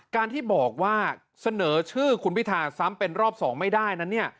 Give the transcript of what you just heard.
การที่บอกว่าเสนอชื่อคุณพิธาซ้ำเป็นรอบ๒ไม่ได้นั้น